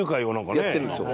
高橋：やってるんですよ。